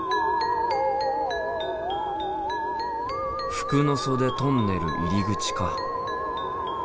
服ノ袖トンネル入り口か。